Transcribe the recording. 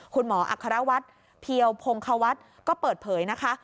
อัครวัฒน์เพียวพงควัฒน์ก็เปิดเผยนะคะ